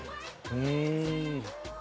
うん！